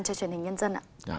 cho truyền hình nhân dân ạ